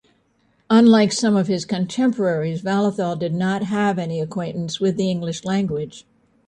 Unlike some of his contemporaries, Vallathol did not have any acquaintance with English language.